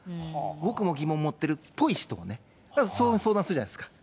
僕も疑問を持ってるっぽい人をね。相談するじゃないですか。